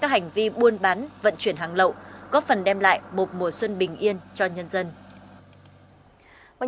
các hành vi buôn bán vận chuyển hàng lậu góp phần đem lại một mùa xuân bình yên cho nhân dân